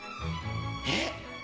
えっ。